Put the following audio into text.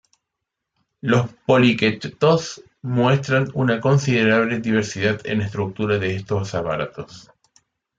Los poliquetos muestran una considerable diversidad en la estructura de estos aparatos.